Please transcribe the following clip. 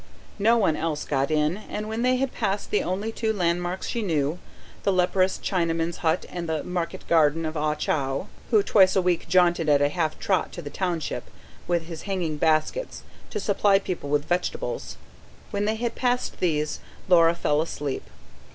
No one else got in, and when they had passed the only two landmarks she knew the leprous Chinaman's hut and the market garden of Ah Chow, who twice a week jaunted at a half trot to the township with his hanging baskets, to supply people with vegetables when they had passed these, Laura fell asleep.